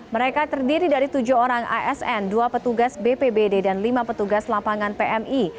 mereka terdiri dari tujuh orang asn dua petugas bpbd dan lima petugas lapangan pmi